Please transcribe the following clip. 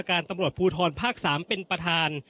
การตำรวจภูทรภาค๓เป็นประธาน